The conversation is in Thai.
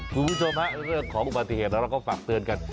คุณผู้ชมฮะเรื่องของอุบัติเหตุแล้วเราก็ฝากเตือนกัน